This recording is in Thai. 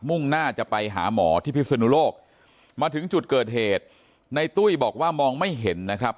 ่งหน้าจะไปหาหมอที่พิศนุโลกมาถึงจุดเกิดเหตุในตุ้ยบอกว่ามองไม่เห็นนะครับ